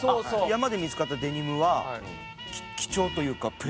山で見付かったデニムは貴重というかプレミア。